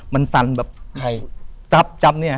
มันซั้นแบบจับเนี่ย